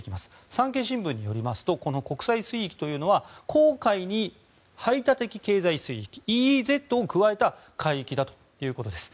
産経新聞によりますとこの国際水域というのは公海に排他的経済水域・ＥＥＺを加えた海域だということです。